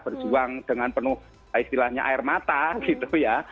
berjuang dengan penuh istilahnya air mata gitu ya